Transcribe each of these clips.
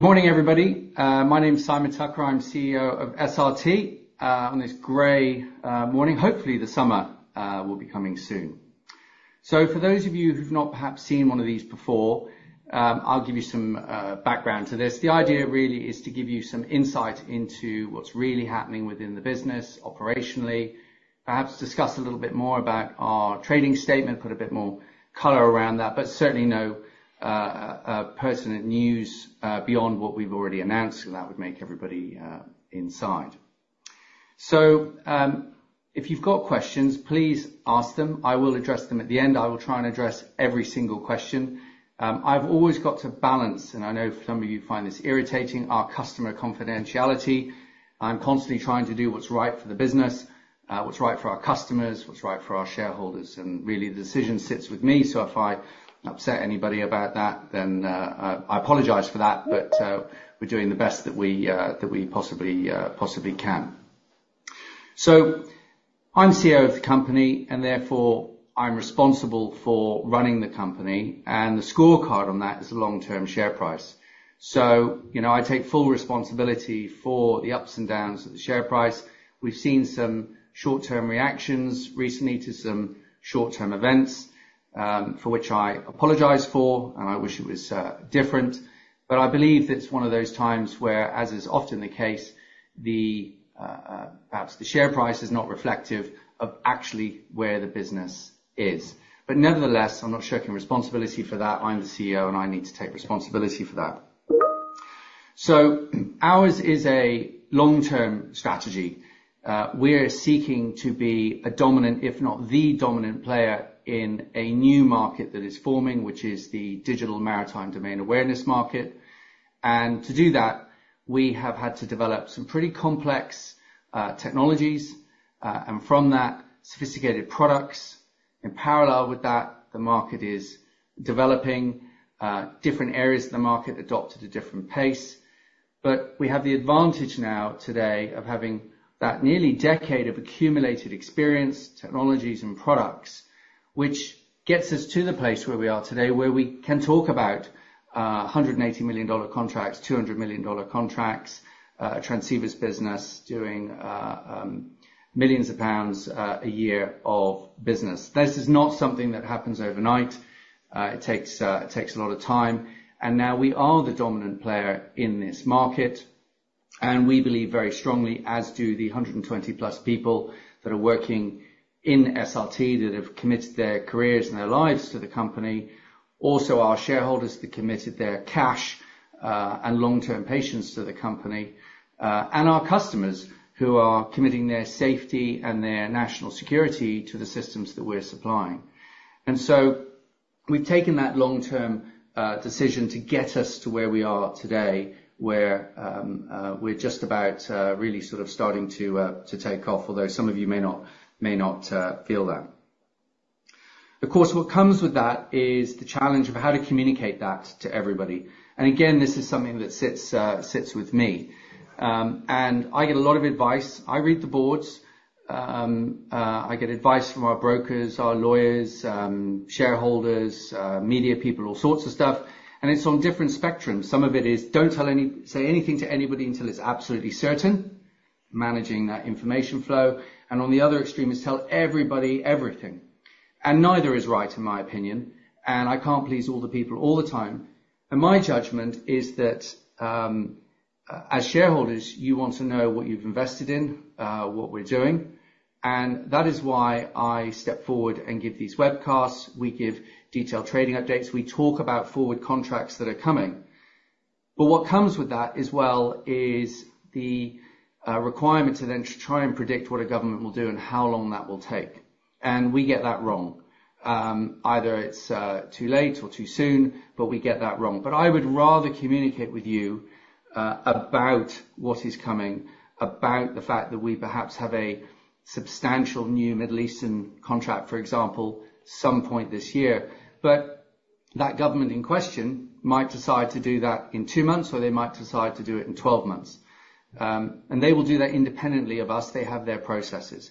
Morning, everybody. My name is Simon Tucker. I'm CEO of SRT, on this gray morning. Hopefully, the summer will be coming soon. So for those of you who've not perhaps seen one of these before, I'll give you some background to this. The idea really is to give you some insight into what's really happening within the business operationally, perhaps discuss a little bit more about our trading statement, put a bit more color around that, but certainly no personal news beyond what we've already announced, so that would make everybody insider. So, if you've got questions, please ask them. I will address them. At the end, I will try and address every single question. I've always got to balance, and I know some of you find this irritating, our customer confidentiality. I'm constantly trying to do what's right for the business, what's right for our customers, what's right for our shareholders, and really, the decision sits with me, so if I upset anybody about that, then, I apologize for that, but, we're doing the best that we possibly can. So I'm CEO of the company, and therefore I'm responsible for running the company, and the scorecard on that is the long-term share price. So, you know, I take full responsibility for the ups and downs of the share price. We've seen some short-term reactions recently to some short-term events, for which I apologize for, and I wish it was different. But I believe it's one of those times where, as is often the case, perhaps the share price is not reflective of actually where the business is. But nevertheless, I'm not shirking responsibility for that. I'm the CEO, and I need to take responsibility for that. So ours is a long-term strategy. We're seeking to be a dominant, if not the dominant player, in a new market that is forming, which is the digital maritime domain awareness market. And to do that, we have had to develop some pretty complex, technologies, and from that, sophisticated products. In parallel with that, the market is developing, different areas of the market adopt at a different pace. But we have the advantage now today of having that nearly decade of accumulated experience, technologies, and products, which gets us to the place where we are today, where we can talk about $180 million contracts, $200 million contracts, transceivers business doing millions of GBP a year of business. This is not something that happens overnight. It takes, it takes a lot of time, and now we are the dominant player in this market, and we believe very strongly, as do the 120+ people that are working in SRT, that have committed their careers and their lives to the company. Also, our shareholders that committed their cash, and long-term patience to the company, and our customers, who are committing their safety and their national security to the systems that we're supplying. And so we've taken that long-term decision to get us to where we are today, where, we're just about, really sort of starting to, to take off, although some of you may not, may not, feel that. Of course, what comes with that is the challenge of how to communicate that to everybody. Again, this is something that sits with me. I get a lot of advice. I read the boards. I get advice from our brokers, our lawyers, shareholders, media people, all sorts of stuff, and it's on different spectrums. Some of it is, "Don't say anything to anybody until it's absolutely certain," managing that information flow, and on the other extreme is, "Tell everybody everything." Neither is right, in my opinion, and I can't please all the people all the time. My judgment is that, as shareholders, you want to know what you've invested in, what we're doing, and that is why I step forward and give these webcasts. We give detailed trading updates. We talk about forward contracts that are coming. But what comes with that as well is the requirement to then try and predict what a government will do and how long that will take, and we get that wrong. Either it's too late or too soon, but we get that wrong. But I would rather communicate with you about what is coming, about the fact that we perhaps have a substantial new Middle East contract, for example, some point this year. But that government in question might decide to do that in two months, or they might decide to do it in 12 months. And they will do that independently of us. They have their processes.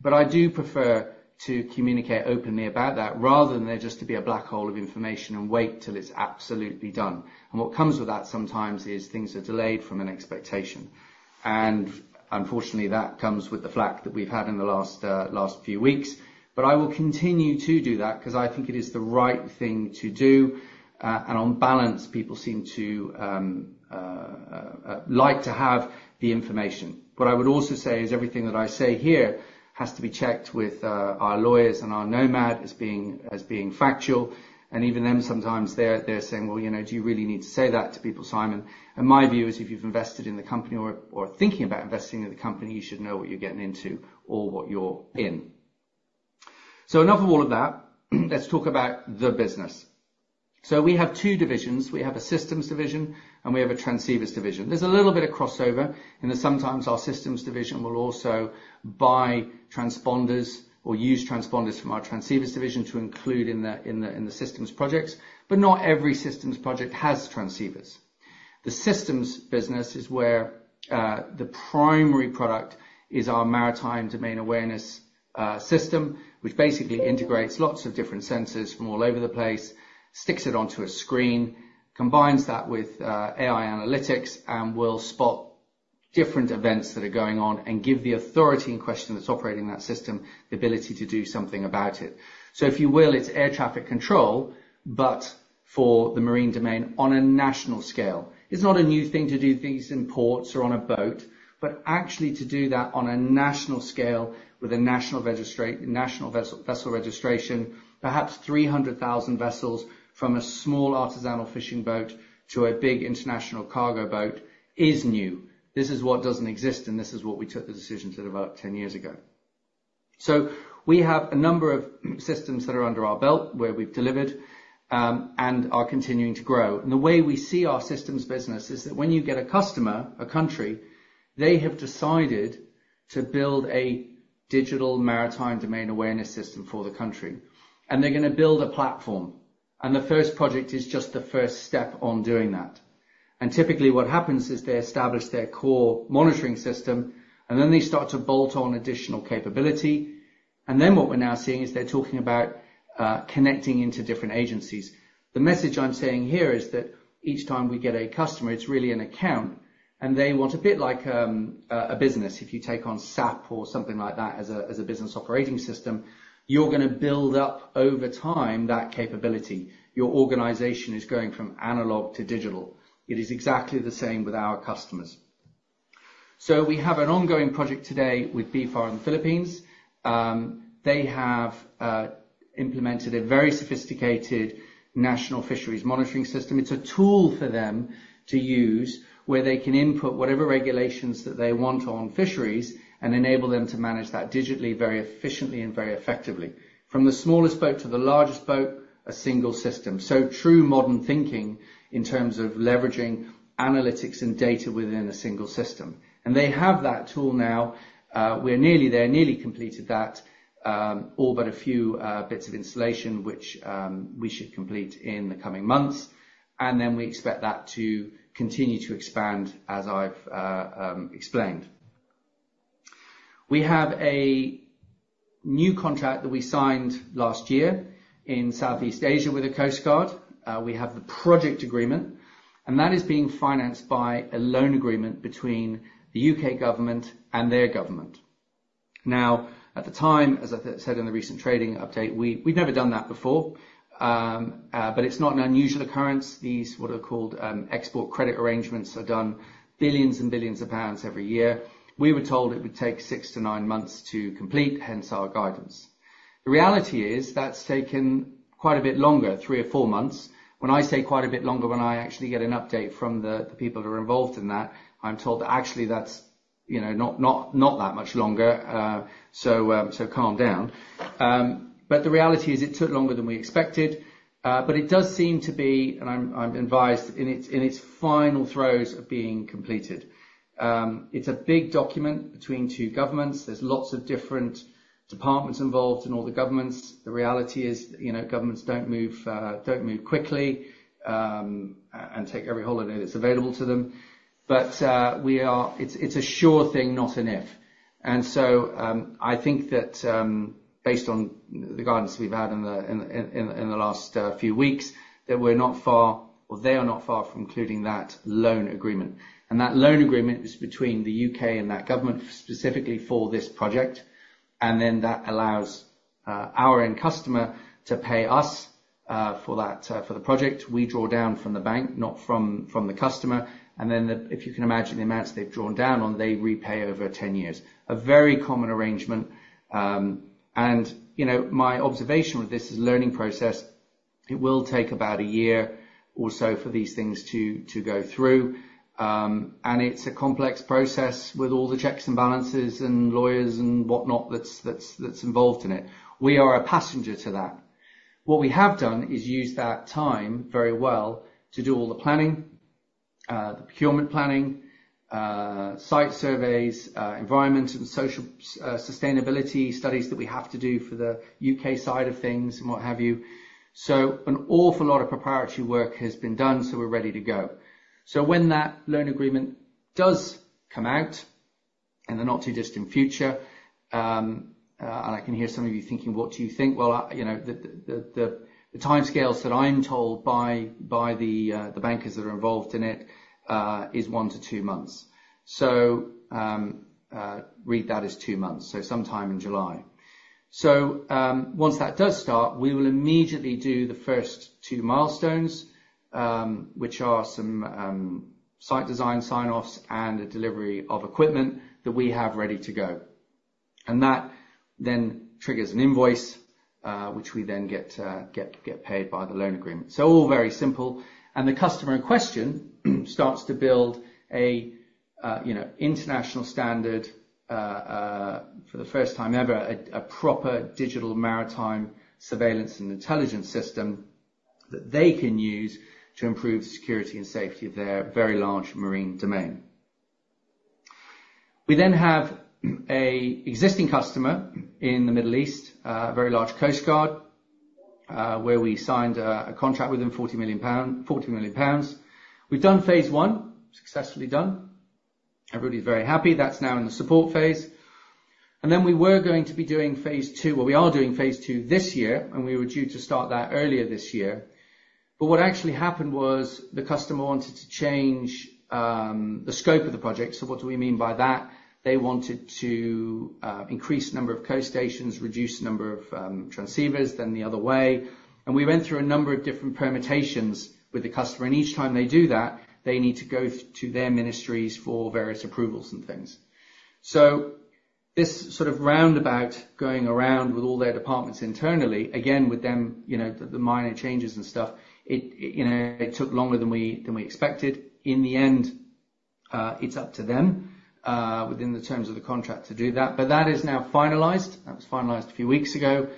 But I do prefer to communicate openly about that, rather than there just to be a black hole of information and wait till it's absolutely done. What comes with that sometimes is things are delayed from an expectation. Unfortunately, that comes with the flak that we've had in the last few weeks. But I will continue to do that 'cause I think it is the right thing to do, and on balance, people seem to like to have the information. What I would also say is everything that I say here has to be checked with our lawyers and our Nomad as being factual, and even them, sometimes they're saying, "Well, you know, do you really need to say that to people, Simon?" And my view is, if you've invested in the company or thinking about investing in the company, you should know what you're getting into or what you're in. So enough of all of that, let's talk about the business. So we have two divisions. We have a systems division, and we have a transceivers division. There's a little bit of crossover, and then sometimes our systems division will also buy transponders or use transponders from our transceivers division to include in the systems projects, but not every systems project has transceivers. The systems business is where the primary product is our maritime domain awareness system, which basically integrates lots of different sensors from all over the place, sticks it onto a screen, combines that with AI analytics, and will spot different events that are going on and give the authority in question that's operating that system the ability to do something about it. So if you will, it's air traffic control, but for the marine domain on a national scale. It's not a new thing to do things in ports or on a boat, but actually to do that on a national scale with a national registry—national vessel registration, perhaps 300,000 vessels from a small artisanal fishing boat to a big international cargo boat, is new. This is what doesn't exist, and this is what we took the decision to develop 10 years ago. So we have a number of systems that are under our belt, where we've delivered, and are continuing to grow. And the way we see our systems business is that when you get a customer, a country, they have decided to build a digital maritime domain awareness system for the country, and they're gonna build a platform. And the first project is just the first step on doing that. And typically, what happens is they establish their core monitoring system, and then they start to bolt on additional capability. And then what we're now seeing is they're talking about connecting into different agencies. The message I'm saying here is that each time we get a customer, it's really an account, and they want a bit like a business. If you take on SAP or something like that as a business operating system, you're gonna build up over time that capability. Your organization is going from analog to digital. It is exactly the same with our customers. So we have an ongoing project today with BFAR in the Philippines. They have implemented a very sophisticated national fisheries monitoring system. It's a tool for them to use, where they can input whatever regulations that they want on fisheries and enable them to manage that digitally, very efficiently and very effectively. From the smallest boat to the largest boat, a single system. So true modern thinking in terms of leveraging analytics and data within a single system. And they have that tool now, we're nearly there, nearly completed that, all but a few bits of installation, which we should complete in the coming months. And then we expect that to continue to expand, as I've explained. We have a new contract that we signed last year in Southeast Asia with a coast guard. We have the project agreement, and that is being financed by a loan agreement between the U.K. government and their government. Now, at the time, as I said in the recent trading update, we'd never done that before, but it's not an unusual occurrence. These, what are called, export credit arrangements, are done billions and billions of GBP every year. We were told it would take six to nine months to complete, hence our guidance. The reality is, that's taken quite a bit longer, three or four months. When I say quite a bit longer, when I actually get an update from the people that are involved in that, I'm told that actually that's, you know, not that much longer, so calm down. But the reality is, it took longer than we expected, but it does seem to be, and I'm advised, in its final throes of being completed. It's a big document between two governments. There's lots of different departments involved in all the governments. The reality is, you know, governments don't move quickly, and take every holiday that's available to them. But, we are—it's a sure thing, not an if. And so, I think that, based on the guidance we've had in the last few weeks, that we're not far, or they are not far from concluding that loan agreement. And that loan agreement is between the U.K. and that government, specifically for this project, and then that allows our end customer to pay us for that, for the project. We draw down from the bank, not from the customer, and then the... If you can imagine the amounts they've drawn down on, they repay over 10 years. A very common arrangement, and you know, my observation with this is learning process, it will take about a year or so for these things to go through. And it's a complex process with all the checks and balances and lawyers and whatnot, that's involved in it. We are a passenger to that. What we have done is use that time very well to do all the planning, the procurement planning, site surveys, environment and social, sustainability studies that we have to do for the U.K. side of things and what have you. So an awful lot of proprietary work has been done, so we're ready to go. So when that loan agreement does come out in the not-too-distant future, and I can hear some of you thinking, "What do you think?" Well, you know, the timescales that I'm told by the bankers that are involved in it is one to two months. So, read that as two months, so sometime in July. So, once that does start, we will immediately do the first two milestones, which are some site design sign-offs and the delivery of equipment that we have ready to go. And that then triggers an invoice, which we then get paid by the loan agreement. So all very simple. The customer in question starts to build a, you know, international standard for the first time ever, a proper digital maritime surveillance and intelligence system that they can use to improve security and safety of their very large marine domain. We then have an existing customer in the Middle East, a very large coast guard, where we signed a contract with them, 40 million pounds. We've done phase one, successfully done. Everybody's very happy. That's now in the support phase. Then we were going to be doing phase two, or we are doing phase two this year, and we were due to start that earlier this year. But what actually happened was, the customer wanted to change the scope of the project. So what do we mean by that? They wanted to increase the number of coast stations, reduce the number of transceivers, then the other way. And we went through a number of different permutations with the customer, and each time they do that, they need to go to their ministries for various approvals and things. So this sort of roundabout, going around with all their departments internally, again, with them, you know, the minor changes and stuff, it, you know, it took longer than we, than we expected. In the end, it's up to them, within the terms of the contract, to do that. But that is now finalized. That was finalized a few weeks ago,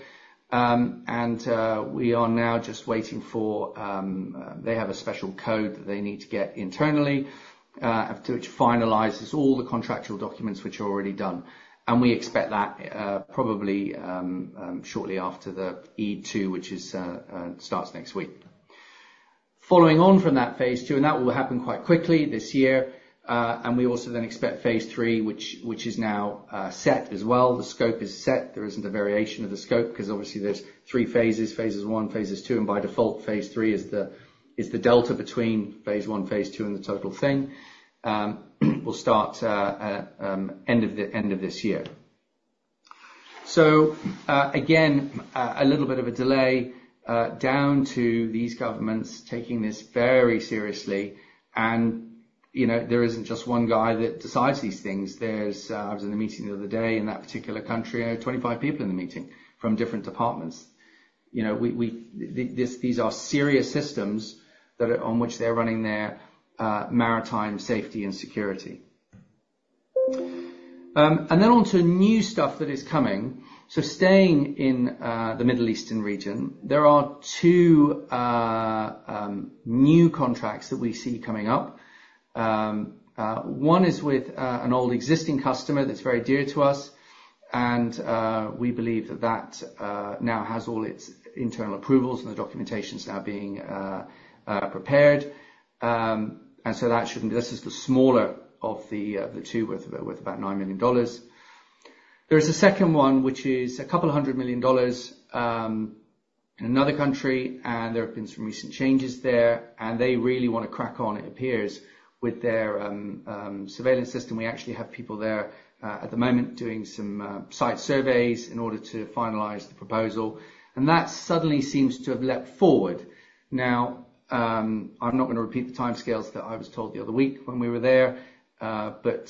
and we are now just waiting for, they have a special code that they need to get internally, after which finalizes all the contractual documents, which are already done. And we expect that, probably, shortly after the Eid, too, which starts next week. Following on from that phase two, and that will happen quite quickly this year. And we also then expect phase three, which is now set as well. The scope is set. There isn't a variation of the scope, 'cause obviously, there's three phases, phases one, phases two, and by default, phase three is the delta between phase one, phase two, and the total thing. We'll start end of this year. So, again, a little bit of a delay, down to these governments taking this very seriously. And, you know, there isn't just one guy that decides these things. There was, I was in a meeting the other day in that particular country, I had 25 people in the meeting from different departments. You know, these are serious systems that are on which they're running their maritime safety and security. And then on to new stuff that is coming. So staying in the Middle East region, there are two new contracts that we see coming up. One is with an old existing customer that's very dear to us, and we believe that now has all its internal approvals, and the documentation is now being prepared. And so that should. This is the smaller of the two, worth about $9 million. There is a second one, which is $200 million, in another country, and there have been some recent changes there, and they really want to crack on, it appears, with their surveillance system. We actually have people there, at the moment, doing some site surveys in order to finalize the proposal, and that suddenly seems to have leapt forward. Now, I'm not gonna repeat the timescales that I was told the other week when we were there, but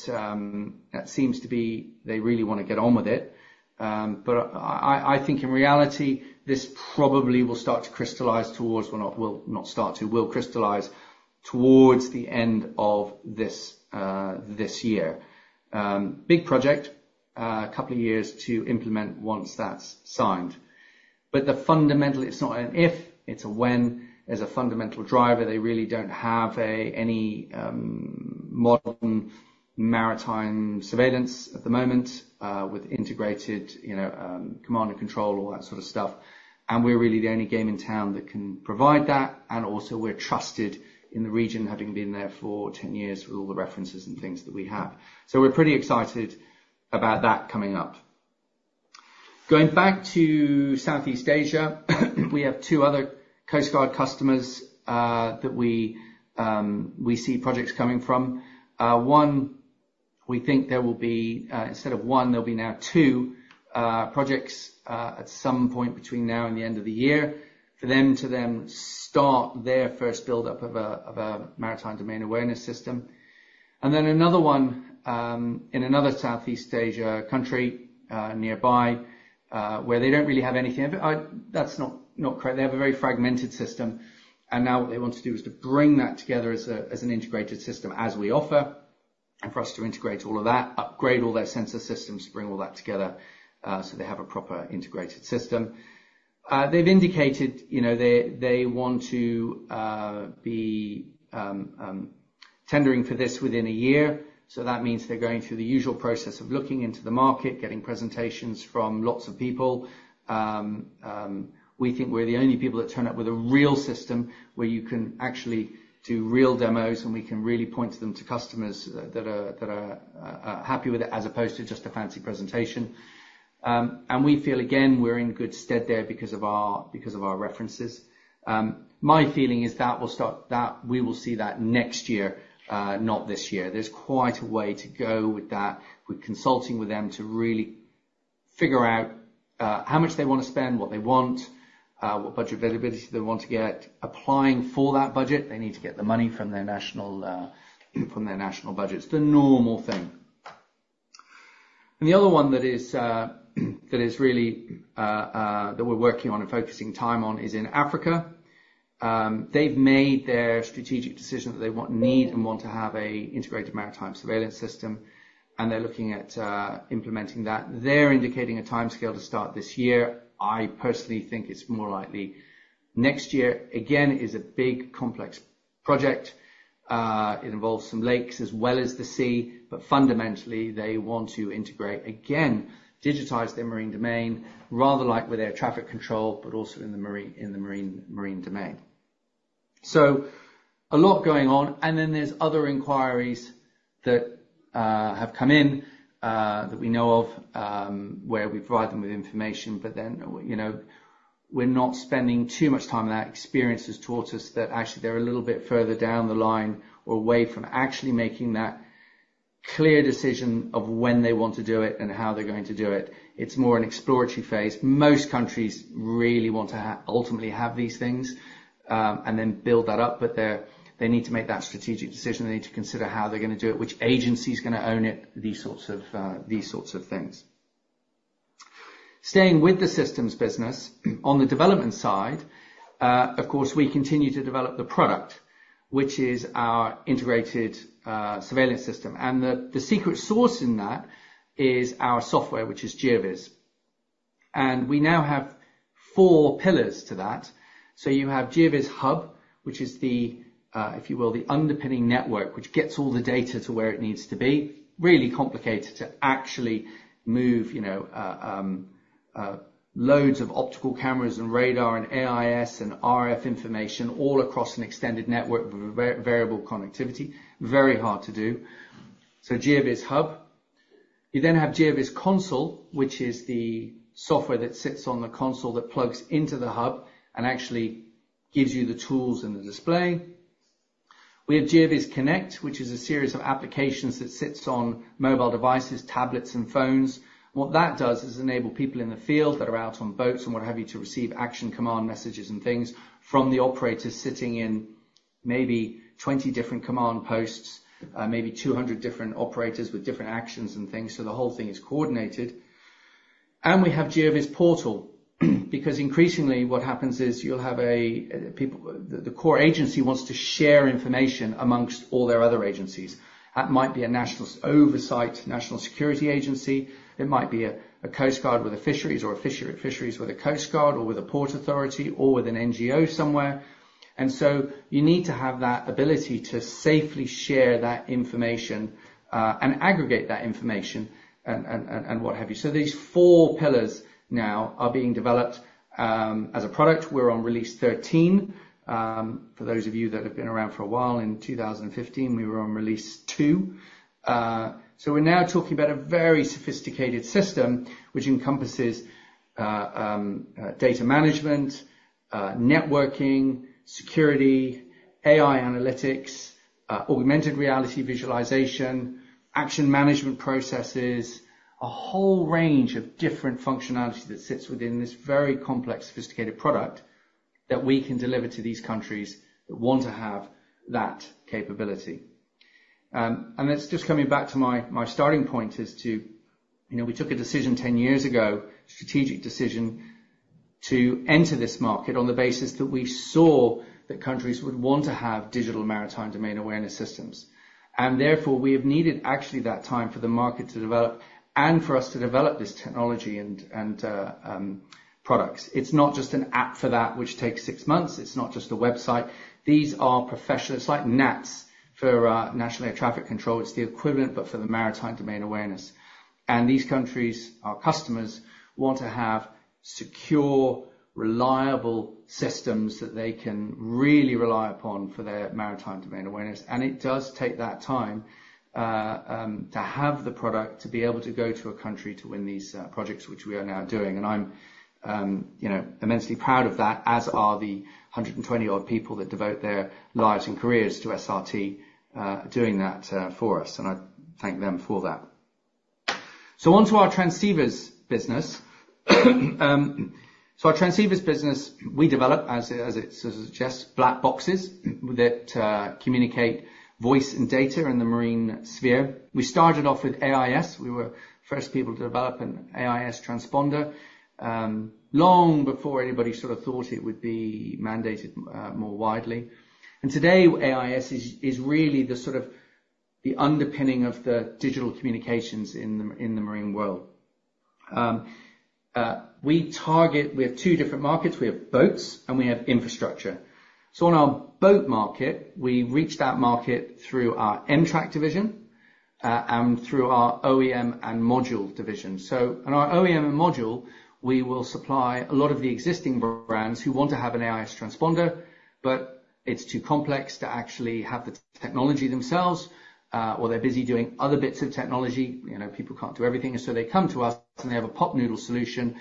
that seems to be they really want to get on with it. But I, I, I think in reality, this probably will start to crystallize towards, well, not, well, not start to, will crystallize towards the end of this, this year. Big project, a couple of years to implement once that's signed. But the fundamental, it's not an if, it's a when. As a fundamental driver, they really don't have a, any, modern maritime surveillance at the moment, with integrated, you know, command and control, all that sort of stuff. And we're really the only game in town that can provide that, and also we're trusted in the region, having been there for 10 years, with all the references and things that we have. So we're pretty excited about that coming up. Going back to Southeast Asia, we have two other Coast Guard customers, that we, we see projects coming from. One, we think there will be, instead of one, there'll be now two, projects, at some point between now and the end of the year, for them to then start their first build-up of a, of a maritime domain awareness system. And then another one in another Southeast Asia country nearby, where they don't really have anything. They have a very fragmented system, and now what they want to do is to bring that together as a, as an integrated system, as we offer, and for us to integrate all of that, upgrade all their sensor systems, bring all that together, so they have a proper integrated system. They've indicated, you know, they want to be tendering for this within a year. So that means they're going through the usual process of looking into the market, getting presentations from lots of people. We think we're the only people that turn up with a real system, where you can actually do real demos, and we can really point them to customers that are happy with it, as opposed to just a fancy presentation. And we feel, again, we're in good stead there because of our references. My feeling is we will see that next year, not this year. There's quite a way to go with that. We're consulting with them to really figure out how much they want to spend, what they want, what budget availability they want to get, applying for that budget. They need to get the money from their national budgets, the normal thing. And the other one that is, that is really, that we're working on and focusing time on, is in Africa. They've made their strategic decision that they want, need, and want to have a integrated maritime surveillance system, and they're looking at, implementing that. They're indicating a timescale to start this year. I personally think it's more likely next year. Again, it is a big, complex project. It involves some lakes as well as the sea, but fundamentally, they want to integrate, again, digitize their marine domain, rather like with their traffic control, but also in the marine domain. So a lot going on, and then there's other inquiries that, have come in, that we know of, where we provide them with information, but then, you know, we're not spending too much time on that. Experience has taught us that actually, they're a little bit further down the line or away from actually making that clear decision of when they want to do it and how they're going to do it. It's more an exploratory phase. Most countries really want to ultimately have these things, and then build that up, but they need to make that strategic decision. They need to consider how they're gonna do it, which agency's gonna own it, these sorts of things. Staying with the systems business, on the development side, of course, we continue to develop the product, which is our integrated surveillance system, and the secret sauce in that is our software, which is GeoVS. And we now have four pillars to that. So you have GeoVS Hub, which is the, if you will, the underpinning network, which gets all the data to where it needs to be. Really complicated to actually move, you know, loads of optical cameras and radar and AIS and RF information all across an extended network with variable connectivity. Very hard to do. So GeoVS Hub. You then have GeoVS Console, which is the software that sits on the console, that plugs into the hub and actually gives you the tools and the display. We have GeoVS Connect, which is a series of applications that sits on mobile devices, tablets, and phones. What that does is enable people in the field that are out on boats and what have you, to receive action command messages and things from the operators sitting in maybe 20 different command posts, maybe 200 different operators with different actions and things, so the whole thing is coordinated. We have GeoVS Portal, because increasingly, what happens is you'll have people, the core agency wants to share information amongst all their other agencies. That might be a national oversight, national security agency, it might be a coast guard with a fisheries or a fishery, fisheries with a coast guard or with a port authority or with an NGO somewhere. So you need to have that ability to safely share that information, and aggregate that information and what have you. So these four pillars now are being developed as a product. We're on release 13. For those of you that have been around for a while, in 2015, we were on release two. So we're now talking about a very sophisticated system which encompasses data management, networking, security, AI analytics, augmented reality visualization, action management processes, a whole range of different functionalities that sits within this very complex, sophisticated product that we can deliver to these countries that want to have that capability. And that's just coming back to my starting point, is to... You know, we took a decision 10 years ago, strategic decision, to enter this market on the basis that we saw that countries would want to have digital maritime domain awareness systems, and therefore, we have needed actually that time for the market to develop and for us to develop this technology and products. It's not just an app for that, which takes 6 months. It's not just a website. These are professional. It's like NATS for National Air Traffic Services. It's the equivalent, but for the maritime domain awareness. And these countries, our customers, want to have secure, reliable systems that they can really rely upon for their maritime domain awareness, and it does take that time to have the product, to be able to go to a country to win these projects, which we are now doing. I'm, you know, immensely proud of that, as are the 120-odd people that devote their lives and careers to SRT, doing that, for us, and I thank them for that. So on to our transceivers business. Our transceivers business, we develop, as, as it suggests, black boxes that communicate voice and data in the marine sphere. We started off with AIS. We were first people to develop an AIS transponder, long before anybody sort of thought it would be mandated, more widely. And today, AIS is, is really the sort of the underpinning of the digital communications in the, in the marine world. We target, we have two different markets. We have boats, and we have infrastructure. So in our boat market, we reach that market through our em-trak division and through our OEM and module division. So in our OEM and module, we will supply a lot of the existing brands who want to have an AIS transponder, but it's too complex to actually have the technology themselves or they're busy doing other bits of technology. You know, people can't do everything, and so they come to us, and they have a Pot Noodle solution. If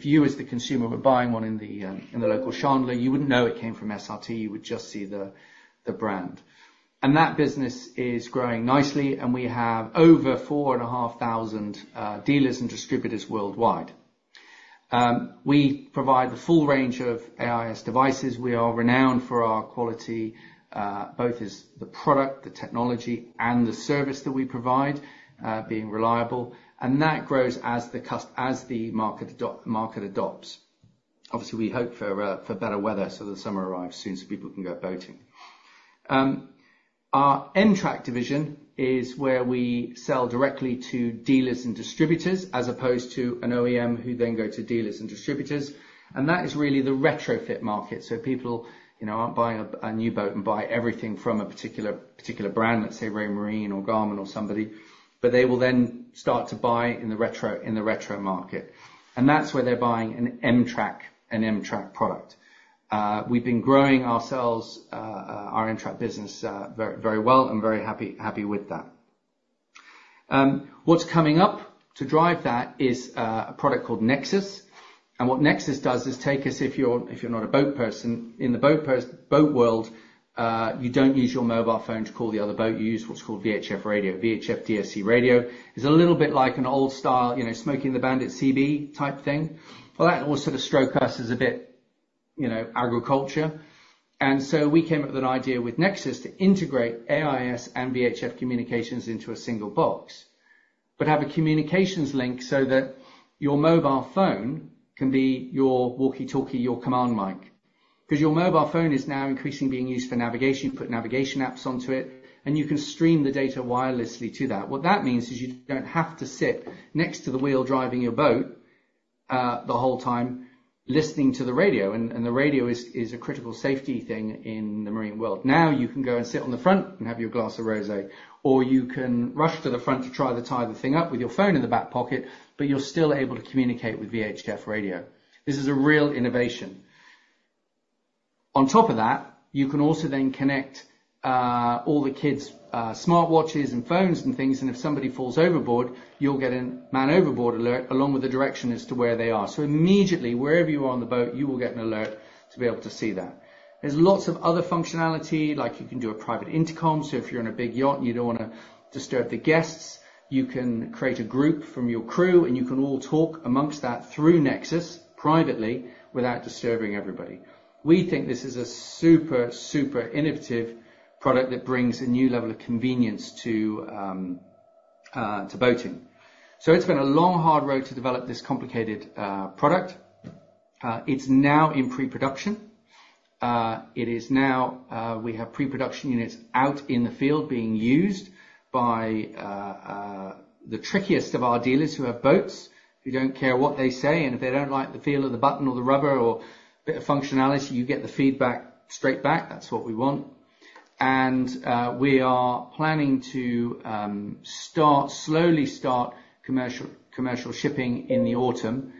you, as the consumer, were buying one in the local chandlery, you wouldn't know it came from SRT. You would just see the brand. And that business is growing nicely, and we have over 4,500 dealers and distributors worldwide. We provide the full range of AIS devices. We are renowned for our quality, both as the product, the technology, and the service that we provide, being reliable, and that grows as the market adopts. Obviously, we hope for better weather, so the summer arrives soon, so people can go boating. Our em-trak division is where we sell directly to dealers and distributors, as opposed to an OEM, who then go to dealers and distributors, and that is really the retrofit market. So people, you know, aren't buying a new boat and buy everything from a particular brand, let's say Raymarine or Garmin or somebody, but they will then start to buy in the retro market, and that's where they're buying an em-trak product. We've been growing ourselves, our em-trak business very, very well and very happy, happy with that. What's coming up to drive that is a product called Nexus, and what Nexus does is take us, if you're, if you're not a boat person, in the boat world, you don't use your mobile phone to call the other boat. You use what's called VHF radio. VHF DSC radio is a little bit like an old style, you know, Smokey and the Bandit CB-type thing. Well, that also struck us as a bit, you know, archaic. And so we came up with an idea with Nexus to integrate AIS and VHF communications into a single box, but have a communications link so that your mobile phone can be your walkie-talkie, your command mic. 'Cause your mobile phone is now increasingly being used for navigation, put navigation apps onto it, and you can stream the data wirelessly to that. What that means is you don't have to sit next to the wheel driving your boat the whole time listening to the radio, and the radio is a critical safety thing in the marine world. Now, you can go and sit on the front and have your glass of rosé, or you can rush to the front to try to tie the thing up with your phone in the back pocket, but you're still able to communicate with VHF radio. This is a real innovation. On top of that, you can also then connect all the kids' smart watches and phones and things, and if somebody falls overboard, you'll get a man overboard alert, along with the direction as to where they are. So immediately, wherever you are on the boat, you will get an alert to be able to see that. There's lots of other functionality, like you can do a private intercom, so if you're in a big yacht and you don't wanna disturb the guests, you can create a group from your crew, and you can all talk amongst that through Nexus privately without disturbing everybody. We think this is a super, super innovative product that brings a new level of convenience to boating. So it's been a long, hard road to develop this complicated product. It's now in pre-production. It is now, we have pre-production units out in the field being used by the trickiest of our dealers who have boats. We don't care what they say, and if they don't like the feel of the button or the rubber or bit of functionality, you get the feedback straight back. That's what we want. And we are planning to slowly start commercial shipping in the autumn.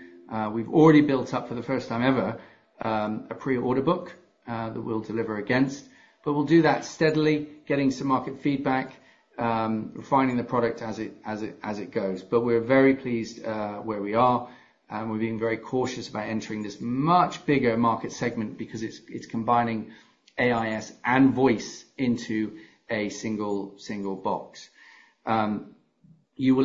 We've already built up, for the first time ever, a pre-order book that we'll deliver against, but we'll do that steadily, getting some market feedback, refining the product as it goes. But we're very pleased where we are, and we're being very cautious about entering this much bigger market segment because it's combining AIS and voice into a single box. You've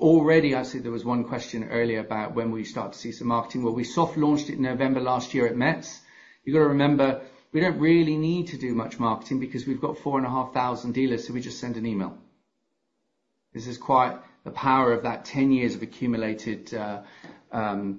already obviously, there was one question earlier about when will we start to see some marketing. Well, we soft launched it in November last year at METS. You've got to remember, we don't really need to do much marketing because we've got 4,500 dealers, so we just send an email. This is quite the power of that 10 years of accumulated, you know,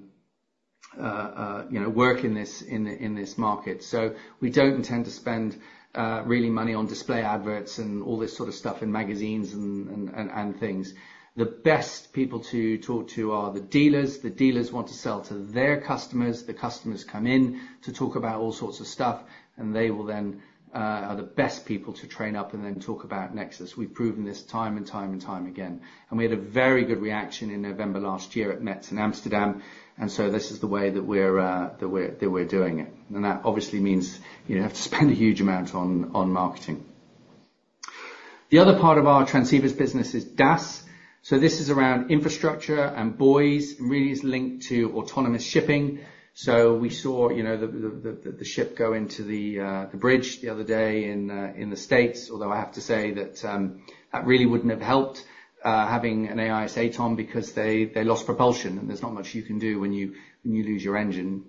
work in this, in, in this market. So we don't intend to spend real money on display adverts and all this sort of stuff in magazines and things. The best people to talk to are the dealers. The dealers want to sell to their customers. The customers come in to talk about all sorts of stuff, and they will then are the best people to train up and then talk about Nexus. We've proven this time and time and time again. We had a very good reaction in November last year at METS in Amsterdam, and so this is the way that we're that we're that we're doing it. That obviously means you don't have to spend a huge amount on on marketing. The other part of our transceivers business is DAS. This is around infrastructure and buoys, and really is linked to autonomous shipping. So we saw, you know, the ship go into the bridge the other day in the States, although I have to say that that really wouldn't have helped having an AIS AtoN because they lost propulsion, and there's not much you can do when you lose your engine.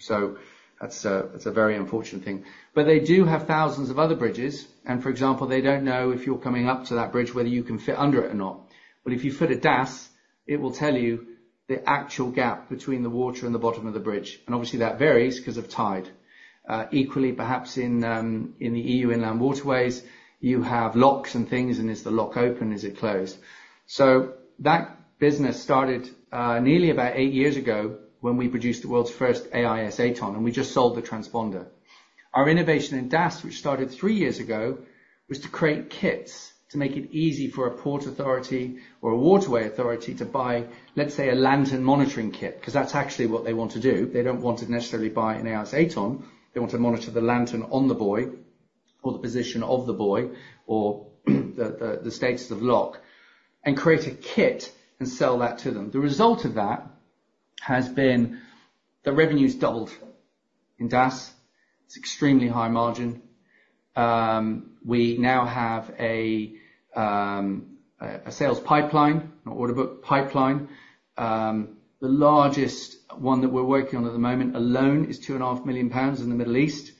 So that's a very unfortunate thing. But they do have thousands of other bridges, and for example, they don't know if you're coming up to that bridge, whether you can fit under it or not. But if you fit a DAS, it will tell you the actual gap between the water and the bottom of the bridge, and obviously, that varies because of tide. Equally, perhaps in the EU, inland waterways, you have locks and things, and is the lock open, is it closed? So that business started nearly about eight years ago, when we produced the world's first AIS AtoN, and we just sold the transponder. Our innovation in DAS, which started three years ago, was to create kits to make it easy for a port authority or a waterway authority to buy, let's say, a lantern monitoring kit, 'cause that's actually what they want to do. They don't want to necessarily buy an AIS AtoN. They want to monitor the lantern on the buoy or the position of the buoy or the status of lock, and create a kit and sell that to them. The result of that has been the revenue's doubled in DAS. It's extremely high margin. We now have a sales pipeline, not order book, pipeline. The largest one that we're working on at the moment alone is 2.5 million pounds in the Middle East.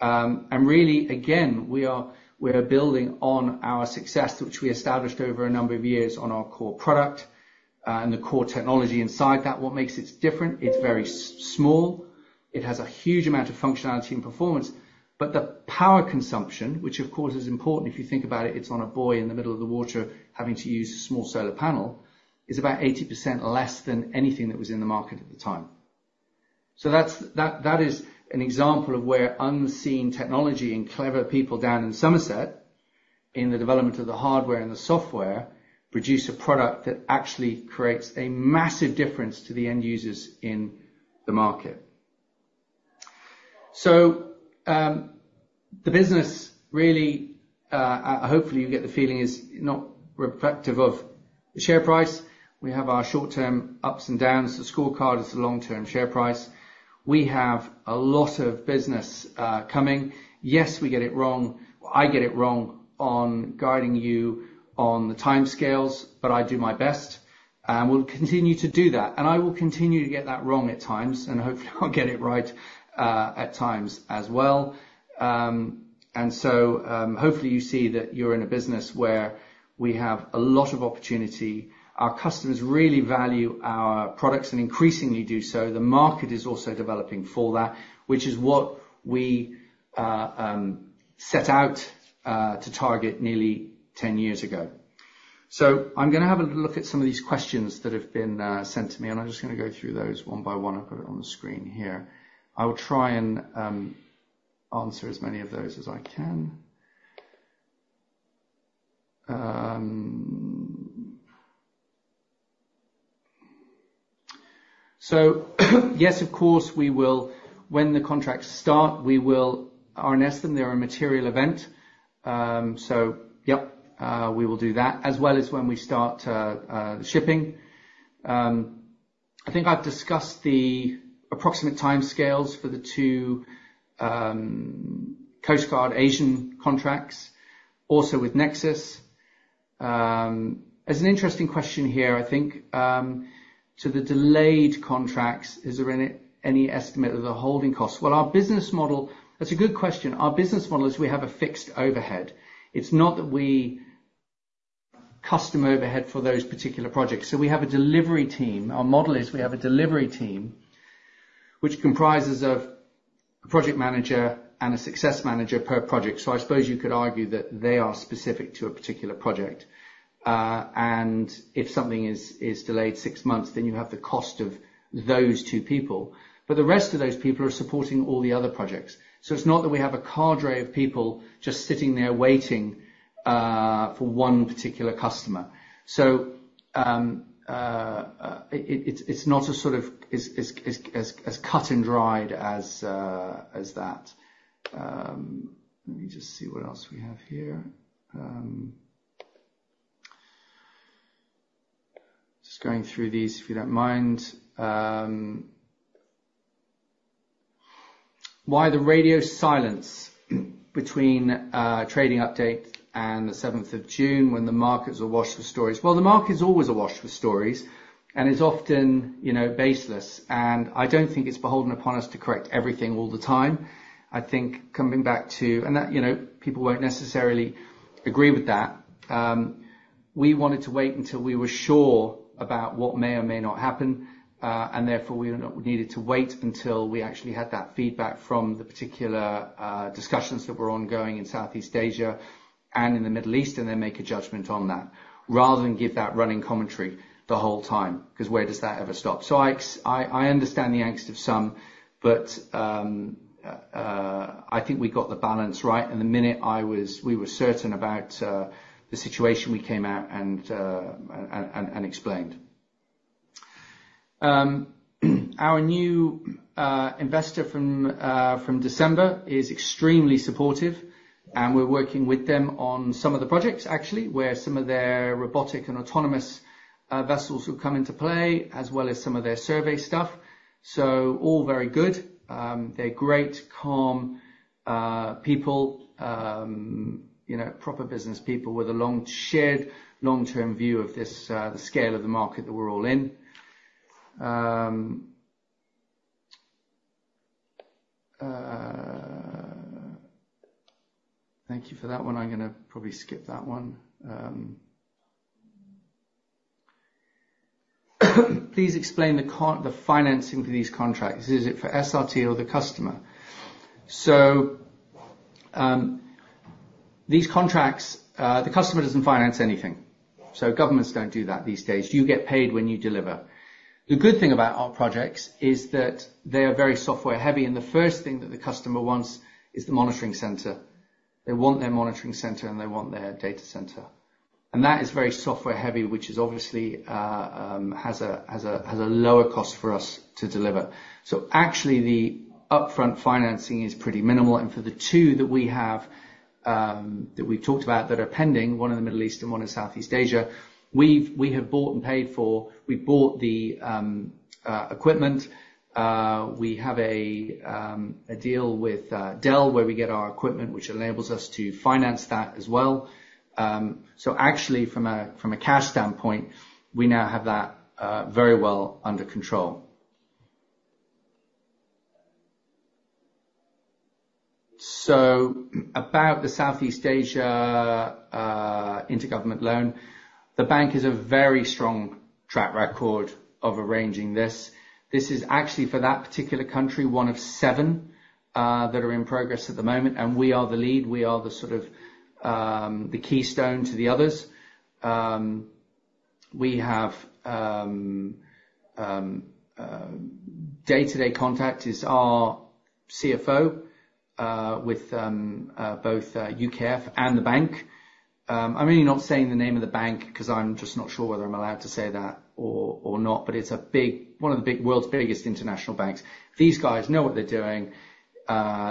And really, again, we're building on our success, which we established over a number of years on our core product, and the core technology inside that. What makes it different, it's very small, it has a huge amount of functionality and performance, but the power consumption, which of course is important, if you think about it, it's on a buoy in the middle of the water, having to use a small solar panel, is about 80% less than anything that was in the market at the time. So that's an example of where unseen technology and clever people down in Somerset, in the development of the hardware and the software, produce a product that actually creates a massive difference to the end users in the market. So, the business really, hopefully you get the feeling, is not reflective of the share price. We have our short-term ups and downs. The scorecard is the long-term share price. We have a lot of business coming. Yes, we get it wrong. I get it wrong on guiding you on the timescales, but I do my best, and will continue to do that. And I will continue to get that wrong at times, and hopefully I'll get it right at times as well. And so, hopefully, you see that you're in a business where we have a lot of opportunity. Our customers really value our products and increasingly do so. The market is also developing for that, which is what we set out to target nearly 10 years ago. So I'm gonna have a look at some of these questions that have been sent to me, and I'm just gonna go through those one by one. I'll put it on the screen here. I will try and answer as many of those as I can. So yes, of course, we will. When the contracts start, we will RNS them. They're a material event. So yep, we will do that, as well as when we start the shipping. I think I've discussed the approximate timescales for the two Coast Guard Asian contracts, also with Nexus. There's an interesting question here, I think, "To the delayed contracts, is there any, any estimate of the holding cost?" Well, our business model. That's a good question. Our business model is we have a fixed overhead. It's not that we custom overhead for those particular projects. So we have a delivery team. Our model is, we have a delivery team, which comprises of a project manager and a success manager per project. So I suppose you could argue that they are specific to a particular project, and if something is, is delayed six months, then you have the cost of those two people. But the rest of those people are supporting all the other projects. So it's not that we have a cadre of people just sitting there waiting, for one particular customer. So, it's not as sort of as cut and dried as that. Let me just see what else we have here. Just going through these, if you don't mind. "Why the radio silence between trading update and the seventh of June when the markets are awash with stories?" "Well, the market is always awash with stories, and it's often, you know, baseless, and I don't think it's beholden upon us to correct everything all the time. I think coming back to—and that, you know, people won't necessarily agree with that. We wanted to wait until we were sure about what may or may not happen, and therefore, we were not—we needed to wait until we actually had that feedback from the particular discussions that were ongoing in Southeast Asia and in the Middle East, and then make a judgment on that, rather than give that running commentary the whole time, 'cause where does that ever stop? So I—I understand the angst of some, but I think we got the balance right, and the minute we were certain about the situation, we came out and explained. Our new investor from December is extremely supportive, and we're working with them on some of the projects, actually, where some of their robotic and autonomous vessels will come into play, as well as some of their survey stuff. So all very good. They're great, calm people, you know, proper business people with a long, shared long-term view of this, the scale of the market that we're all in. Thank you for that one. I'm gonna probably skip that one. "Please explain the financing for these contracts. Is it for SRT or the customer?" So, these contracts, the customer doesn't finance anything. So governments don't do that these days. You get paid when you deliver. The good thing about our projects is that they are very software-heavy, and the first thing that the customer wants is the monitoring center. They want their monitoring center, and they want their data center. That is very software-heavy, which is obviously has a lower cost for us to deliver. So actually, the upfront financing is pretty minimal, and for the two that we have that we've talked about that are pending, one in the Middle East and one in Southeast Asia, we've bought and paid for. We bought the equipment. We have a deal with Dell, where we get our equipment, which enables us to finance that as well. So actually, from a cash standpoint, we now have that very well under control. So about the Southeast Asia intergovernment loan, the bank has a very strong track record of arranging this. This is actually, for that particular country, one of seven that are in progress at the moment, and we are the lead. We are the sort of the keystone to the others. We have day-to-day contact is our CFO with both UKEF and the bank. I'm really not saying the name of the bank, 'cause I'm just not sure whether I'm allowed to say that or not, but it's a big one of the big world's biggest international banks. These guys know what they're doing.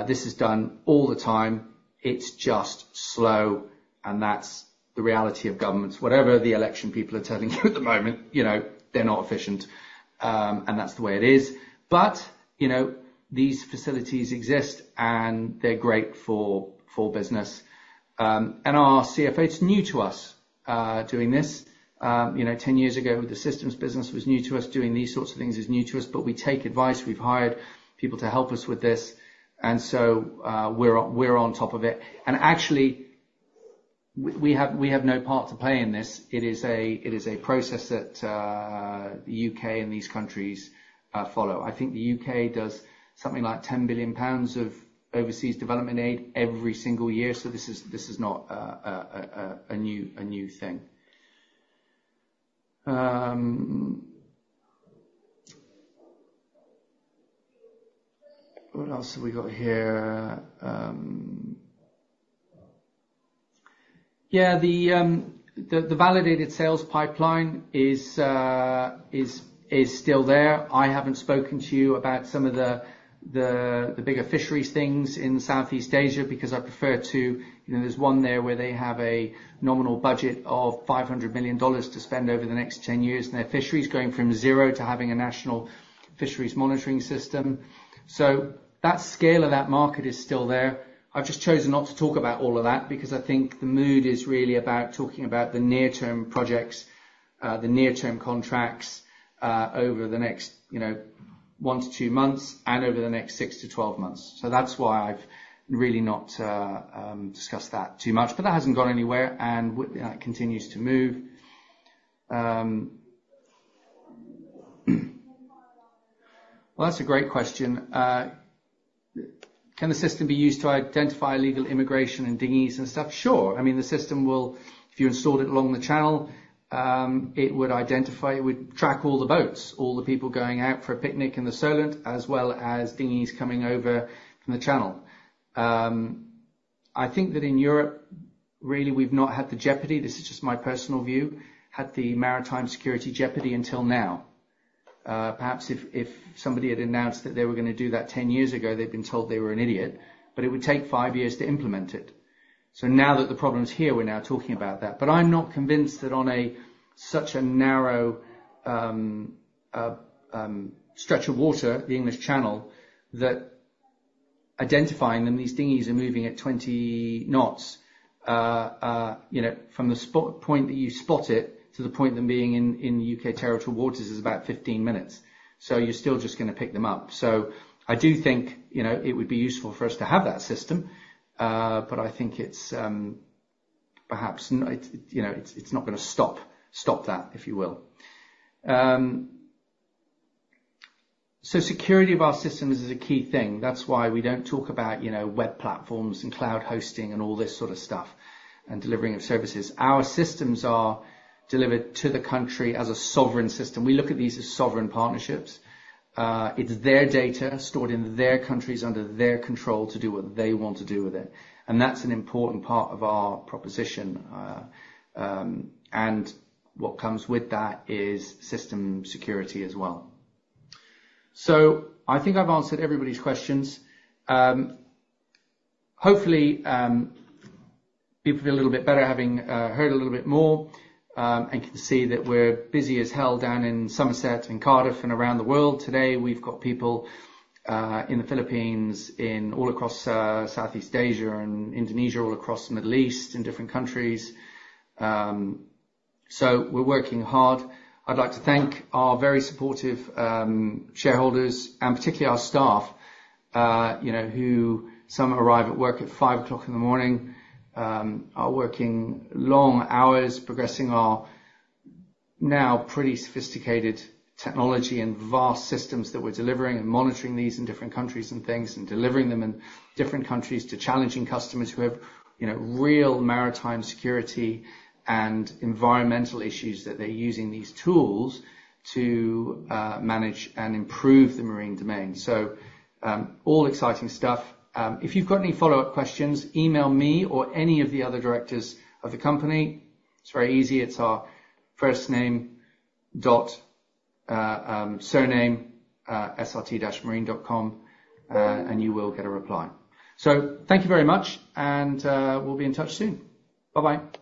This is done all the time. It's just slow, and that's the reality of governments. Whatever the election people are telling you at the moment, you know, they're not efficient, and that's the way it is. But, you know, these facilities exist, and they're great for business. And our CFO, it's new to us, doing this. You know, 10 years ago, the systems business was new to us. Doing these sorts of things is new to us, but we take advice. We've hired people to help us with this, and so, we're on top of it. And actually, we have no part to play in this. It is a process that the U.K. and these countries follow. I think the U.K. does something like 10 billion pounds of overseas development aid every single year, so this is not a new thing. What else have we got here? Yeah, the validated sales pipeline is still there. I haven't spoken to you about some of the bigger fisheries things in Southeast Asia because I prefer to, you know, there's one there where they have a nominal budget of $500 million to spend over the next 10 years, and their fisheries going from zero to having a national fisheries monitoring system. So that scale of that market is still there. I've just chosen not to talk about all of that because I think the mood is really about talking about the near-term projects, the near-term contracts, over the next, you know, one to two months and over the next six to 12 months. So that's why I've really not discussed that too much, but that hasn't gone anywhere, and that continues to move. Well, that's a great question. Can the system be used to identify illegal immigration and dinghies and stuff? Sure. I mean, the system will- If you installed it along the channel, it would identify, it would track all the boats, all the people going out for a picnic in the Solent, as well as dinghies coming over from the channel. I think that in Europe, really, we've not had the jeopardy, this is just my personal view, had the maritime security jeopardy until now. Perhaps if somebody had announced that they were gonna do that 10 years ago, they'd have been told they were an idiot, but it would take five years to implement it. So now that the problem's here, we're now talking about that. But I'm not convinced that on a such a narrow stretch of water, the English Channel, that identifying them, these dinghies are moving at 20 knots. You know, from the spot point that you spot it to the point them being in U.K. territorial waters is about 15 minutes, so you're still just gonna pick them up. So I do think, you know, it would be useful for us to have that system, but I think it's perhaps it's, you know, it's not gonna stop that, if you will. So security of our systems is a key thing. That's why we don't talk about, you know, web platforms and cloud hosting and all this sort of stuff, and delivering of services. Our systems are delivered to the country as a sovereign system. We look at these as sovereign partnerships. It's their data stored in their countries under their control to do what they want to do with it, and that's an important part of our proposition. And what comes with that is system security as well. So I think I've answered everybody's questions. Hopefully, people feel a little bit better having heard a little bit more, and can see that we're busy as hell down in Somerset and Cardiff and around the world. Today, we've got people in the Philippines, all across Southeast Asia and Indonesia, all across the Middle East, in different countries. So we're working hard. I'd like to thank our very supportive shareholders, and particularly our staff, you know, who some arrive at work at 5:00 A.M., are working long hours, progressing our now pretty sophisticated technology and vast systems that we're delivering and monitoring these in different countries and things, and delivering them in different countries to challenging customers who have, you know, real maritime security and environmental issues, that they're using these tools to manage and improve the marine domain. So, all exciting stuff. If you've got any follow-up questions, email me or any of the other directors of the company. It's very easy. It's our first name dot surname SRT-marine.com, and you will get a reply. So thank you very much, and we'll be in touch soon. Bye-bye!